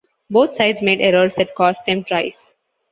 Both sides made errors that cost them tries.